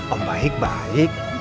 om baik baik